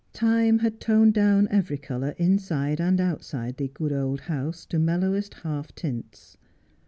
Time had toned down every colour inside and outside the good old house to mellowest half tints.